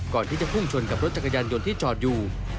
ก่อนที่จะพุ่งชนกับรถจักรยานยนต์ที่จอดอยู่